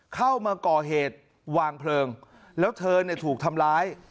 เข้ามาก่อเหตุวางเพลิงแล้วเธอเนี่ยถูกทำร้าย